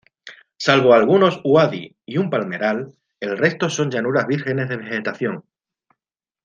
Salvo algunos uadi y un palmeral, el resto son llanuras vírgenes de vegetación.